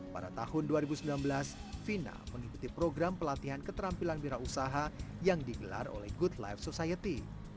pada tahun dua ribu sembilan belas fina mengikuti program pelatihan keterampilan wira usaha yang digelar oleh good life society